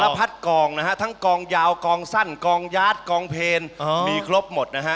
พัดกองนะฮะทั้งกองยาวกองสั้นกองยาดกองเพลมีครบหมดนะฮะ